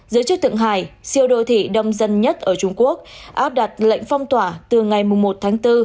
giới chức thượng hải siêu đô thị đông dân nhất ở trung quốc áp đặt lệnh phong tỏa từ ngày một tháng bốn